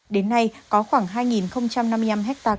đến nay có khoảng hai năm mươi năm ha cây trồng